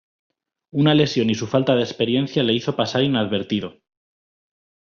Una lesión y su falta de experiencia le hizo pasar inadvertido.